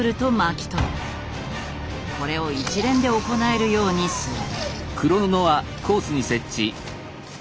これを一連で行えるようにする。